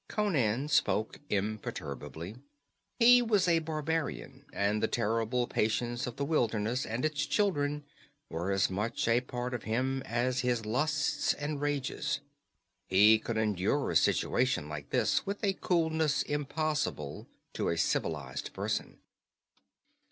Conan spoke imperturbably. He was a barbarian, and the terrible patience of the wilderness and its children was as much a part of him as his lusts and rages. He could endure a situation like this with a coolness impossible to a civilized person.